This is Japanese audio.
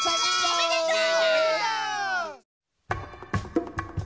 おめでとう。